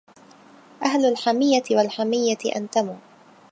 أهل الحمية والحمية أنتمو